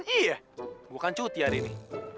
iya bukan cuti hari ini